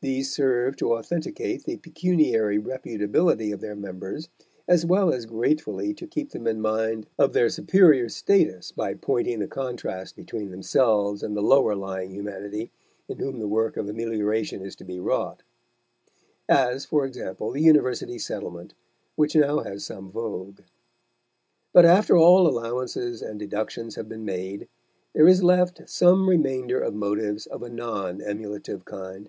These serve to authenticate the pecuniary reputability of their members, as well as gratefully to keep them in mind of their superior status by pointing the contrast between themselves and the lower lying humanity in whom the work of amelioration is to be wrought; as, for example, the university settlement, which now has some vogue. But after all allowances and deductions have been made, there is left some remainder of motives of a non emulative kind.